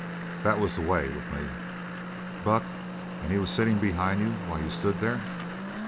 That was the way with me." "Buck! And he was sitting behind you while you stood there?"